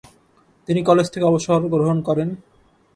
তিনি কলেজ থেকে অবসর গ্রহণ করেন।